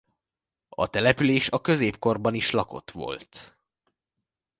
A település a középkorban is lakott volt.